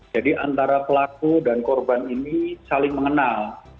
jadi antara pelaku dan korban ini saling mengenal